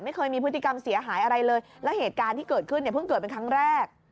ไม่เคยมีพฤติกรรมเสียหายอะไรเลยแล้วเหตุการณ์ที่เกิดขึ้นเนี่ยเพิ่งเกิดเป็นครั้งแรก